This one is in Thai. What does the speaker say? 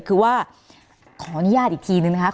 คือว่าขออนุญาตอีกทีนึงนะคะ